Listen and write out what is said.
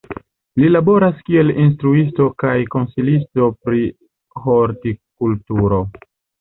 Li laboras kiel instruisto kaj konsilisto pri hortikulturo.